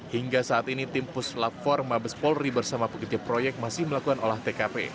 hingga saat ini tim puslap empat mabes polri bersama pekerja proyek masih melakukan olah tkp